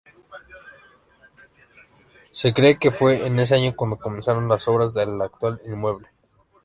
Se cree que fue en ese año cuando comenzaron las obras del actual inmueble.